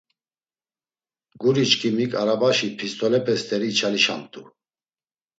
Guriçkimik arabaşi pist̆onepe steri içalişamt̆u.